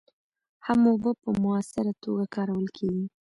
هم اوبه په مؤثره توکه کارول کېږي.